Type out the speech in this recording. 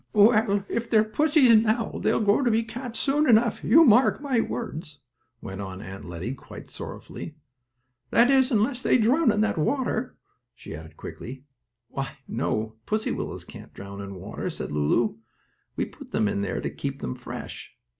"Well, if they're pussies now they'll grow to be cats soon enough, you mark my words," went on Aunt Lettie quite sorrowfully. "That is unless they drown in that water," she added quickly. "Why, no; pussy willows can't drown in water," said Lulu. "We put them there to keep them fresh.